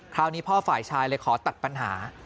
คราวนี้พ่อฝ่ายชายเลยขอตัดปัญหา